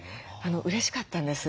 うれしかったんです。